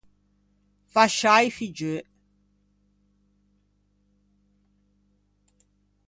Fasciâ i figgeu.